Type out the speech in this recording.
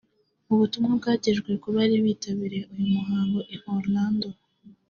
Mu butumwa byagejwe ku bari bitabiriye uyu muhango i Orlando